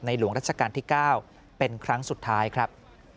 หลวงรัชกาลที่๙เป็นครั้งสุดท้ายครับ